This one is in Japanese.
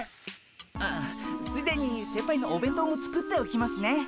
ああついでに先輩のお弁当も作っておきますね。